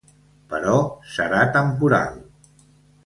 Però serà temporal.